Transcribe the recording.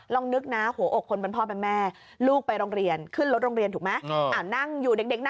ลองนึกนะหัวอกคนมันพ่อแม่ลูกไปโรงเรียนขึ้นรถโรงเรียนถูกไหม